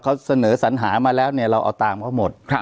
เขาเสนอสัญหามาแล้วเนี่ยเราเอาตามเขาหมด